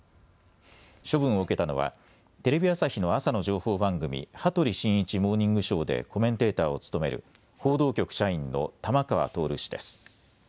処分を受けたのはテレビ朝日の朝の情報番組、羽鳥慎一モーニングショーでコメンテーターを務める報道局社員の玉川徹氏です。